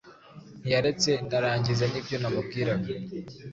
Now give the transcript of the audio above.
Ntiyaretse ndarangiza nibyo namubwiraga